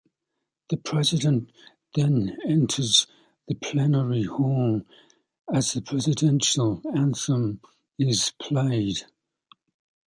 The President then enters the Plenary Hall as the Presidential Anthem is played.